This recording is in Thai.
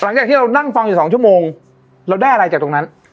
หลังจากที่เรานั่งฟังอยู่สองชั่วโมงเราได้อะไรจากตรงนั้น